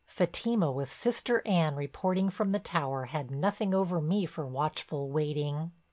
Fatima with Sister Anne reporting from the tower, had nothing over me for watchful waiting.